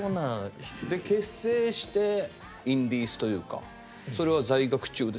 で結成してインディーズというかそれは在学中ですか？